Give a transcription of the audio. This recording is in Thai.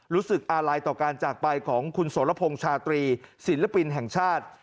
รู้สึกอาลัยต่อการจากไปของคุณสรพงศ์ชาตรีศิลปินแห่งชาติ